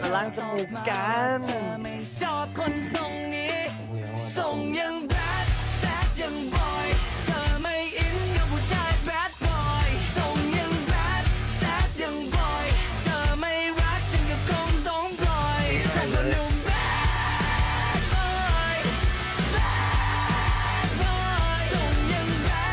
ล้างจมูกก่อน